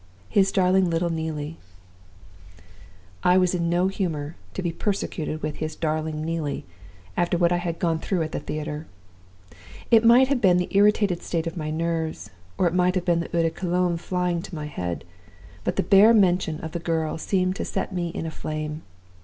His darling little Neelie "I was in no humor to be persecuted with his 'Darling Neelie' after what I had gone through at the theater. It might have been the irritated state of my nerves, or it might have been the eau de cologne flying to my head, but the bare mention of the girl seemed to set me in a flame.